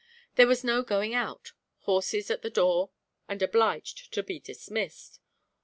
There was no going out; horses at the door, and obliged to be dismissed.